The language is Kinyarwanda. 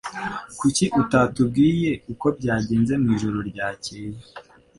Kuki utatubwiye uko byagenze mwijoro ryakeye